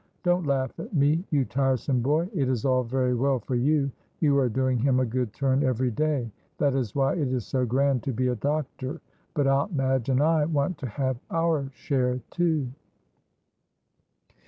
Don't laugh at me, you tiresome boy; it is all very well for you, you are doing him a good turn every day, that is why it is so grand to be a doctor, but Aunt Madge and I want to have our share too."